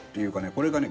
これがね